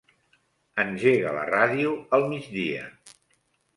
Engega la ràdio al migdia.